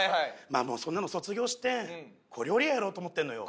まあもうそんなの卒業して小料理屋やろうと思ってんのよ。